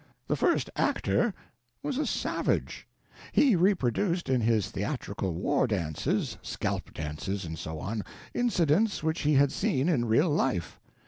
The first actor was a savage. He reproduced in his theatrical war dances, scalp—dances, and so on, incidents which he had seen in real life.